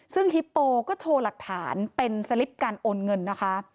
ซึ่งฮิปโปก็โชว์หลักฐานเป็นสลิปการโอนเงินนะคะ